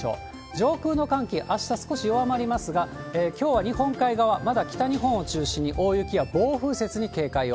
上空の寒気、あした少し弱まりますが、きょうは日本海側、まだ北日本を中心に大雪や暴風雪に警戒を。